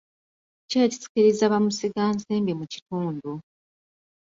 Ki ekisikiriza bamusigansimbi mu kitundu?